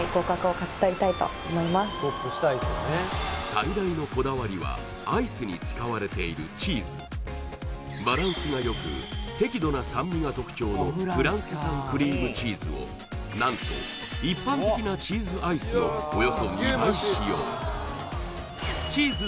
最大のこだわりはアイスに使われているチーズバランスがよく適度な酸味が特徴のフランス産クリームチーズを何と一般的なチーズアイスのおよそ２倍使用チーズ